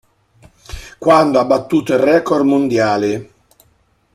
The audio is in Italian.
Quando ha battuto il record mondiale.